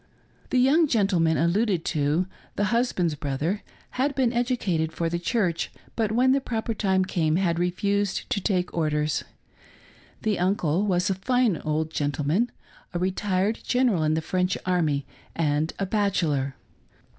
The young gentleman alluded to — the husband's brother ^had been educated for the church, but when the proper time came had refused to take orders ; the uncle was a fine old gentleman, a retired general in the French army and a bachelor.